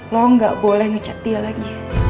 lo gak boleh ngecek dia lagi